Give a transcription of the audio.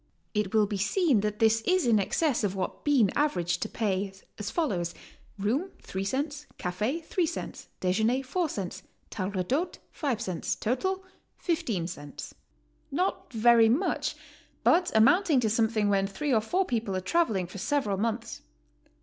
It will be seen that this is in excess of what Bean averaged to pay, as follows: Room, 3 cents; cafe, 3 cents; dejeuner, 4 cents; table d'hote, 5 cents; total, 15 cents. Not very much, but amounting to something when three or four people are traveling for several months.